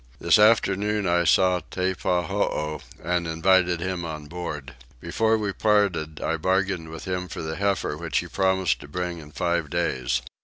This afternoon I saw Teppahoo and invited him on board: before we parted I bargained with him for the heifer which he promised to bring in five days.